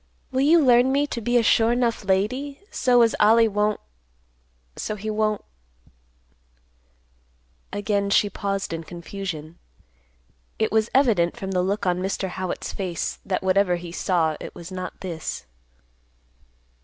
Will you learn me to be a sure 'nough lady, so as Ollie won't—so he won't—" Again she paused in confusion. It was evident, from the look on Mr. Howitt's face, that, whatever he saw, it was not this.